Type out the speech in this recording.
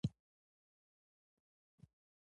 خسرو خان سرې خيمې ته ننوت.